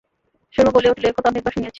সুরমা বলিয়া উঠিল, ও-কথা অনেক বার শুনিয়াছি।